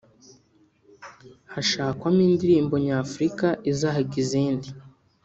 hashakwamo indirimbo nyafurika izahiga izindi